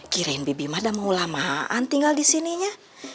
kirain bibi mah udah mau lamaan tinggal disininya